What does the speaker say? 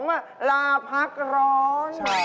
ใช่ลาพักร้อน